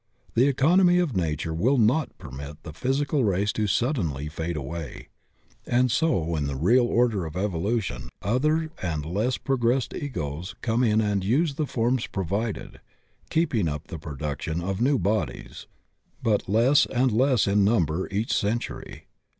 The economy of Nature will not permit the physical race to suddenly fade away, and so in the real order of evolution other and less progressed Egos come in and use the forms provided, keeping up the produc tion of new bodies, but less and less in niunber each century.